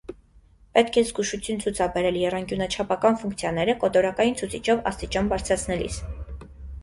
Պետք է զգուշություն ցուցաբերել եռանկյունաչափական ֆունկցիաները կոտորակային ցուցիչով աստիճան բարձրացնելիս։